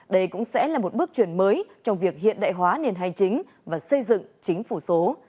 đây cũng sẽ là một bước chuyển mới trong việc hiện đại hóa nền hành chính và xây dựng chính phủ số